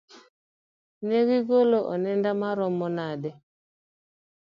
Ne igolo onenda maromo nade?